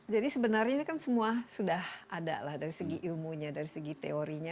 jadi sebenarnya ini kan semua sudah ada dari segi ilmunya dari segi teorinya